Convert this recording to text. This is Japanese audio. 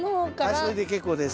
はいそれで結構です。